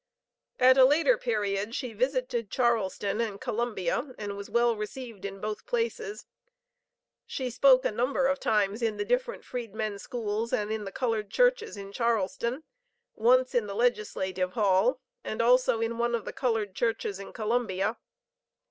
At a later period she visited Charleston and Columbia, and was well received in both places. She spoke a number of times in the different Freedmen schools and the colored churches in Charleston, once in the Legislative Hall, and also in one of the colored churches in Columbia.